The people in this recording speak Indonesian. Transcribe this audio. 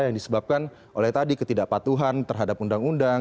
yang disebabkan oleh tadi ketidakpatuhan terhadap undang undang